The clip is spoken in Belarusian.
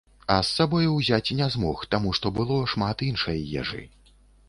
А з сабою ўзяць не змог, таму што было шмат іншай ежы.